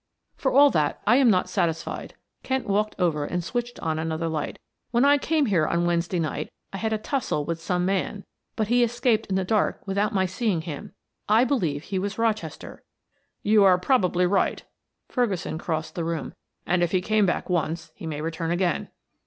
"For all that I am not satisfied." Kent walked over and switched on another light. "When I came here on Wednesday night I had a tussle with some man, but he escaped in the dark without my seeing him. I believe he was Rochester." "You are probably right." Ferguson crossed the room. "And if he came back once, he may return again.